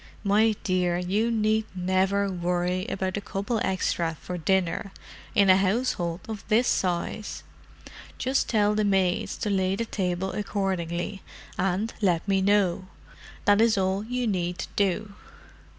My dear, you need never worry about a couple extra for dinner in a household of this size. Just tell the maids to lay the table accordingly, and let me know—that is all you need do."